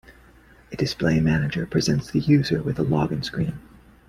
A display manager presents the user with a login screen.